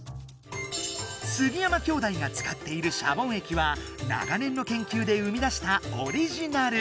杉山兄弟がつかっているシャボン液は長年のけんきゅうで生み出したオリジナル！